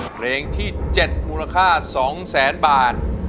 เพลงที่๗มูลค่า๒แสนบาท